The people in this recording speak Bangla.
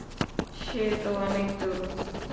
সে তো অনেক দূর।